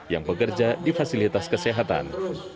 yang bekerja di fasilitas kesehatan